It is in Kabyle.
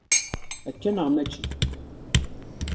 Akka neɣ mačči?